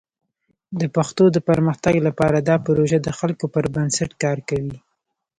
د پښتو د پرمختګ لپاره دا پروژه د خلکو پر بنسټ کار کوي.